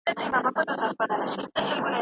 محمدشاه ایله خبر سو له خپل حاله